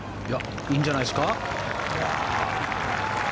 いいんじゃないですか。